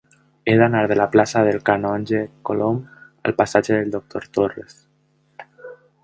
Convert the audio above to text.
He d'anar de la plaça del Canonge Colom al passatge del Doctor Torres.